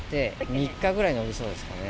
３日ぐらい延びそうですかね。